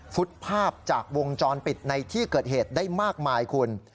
ฟุตภาพจากวงจรปิดในที่เกิดเหตุได้มากมายคุณ